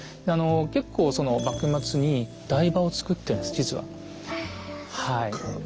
結構その幕末に台場を造ってるんです実は。